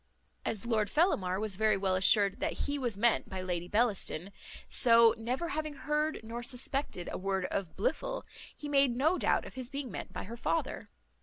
As Lord Fellamar was very well assured that he was meant by Lady Bellaston, so, never having heard nor suspected a word of Blifil, he made no doubt of his being meant by the father.